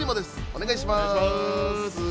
お願いします！